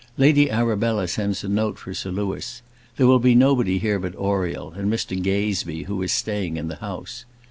Lady Arabella sends a note for Sir Louis. There will be nobody here but Oriel, and Mr Gazebee, who is staying in the house.